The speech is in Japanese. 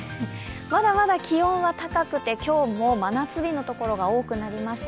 まだまだ気温は高くて、今日も真夏日のところが多くありました。